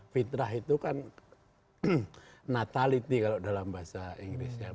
fitrah itu kan natality kalau dalam bahasa inggris ya